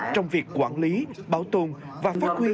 trong việc quản lý bảo tồn và phát huy